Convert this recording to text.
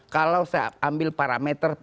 kalau saya ambil parameter